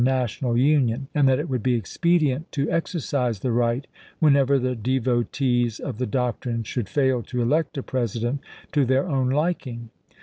' National Union, and that it would be expedient to exer cise the right whenever the devotees of the doctrine should fail to elect a President to their own liking.